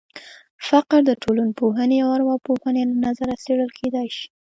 فقر د ټولنپوهنې او ارواپوهنې له نظره څېړل کېدای شي.